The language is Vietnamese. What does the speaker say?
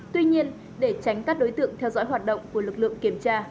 tuy nhiên để tránh các đối tượng theo dõi hoạt động của lực lượng kiểm tra